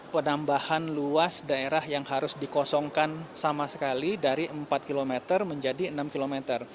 penambahan luas daerah yang harus dikosongkan sama sekali dari empat km menjadi enam kilometer